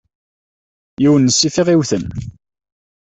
Yiwen n ssif i aɣ-iwten.